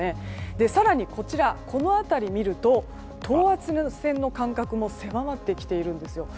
更に、この辺りを見ると等圧線の間隔も狭まってきているんですよ。